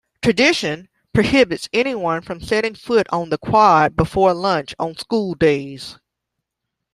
Tradition prohibits anyone from setting foot on the Quad before lunch on school days.